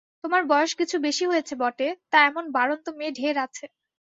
তোমার বয়স কিছু বেশি হয়েছে বটে, তা এমন বাড়ন্ত মেয়ে ঢের আছে।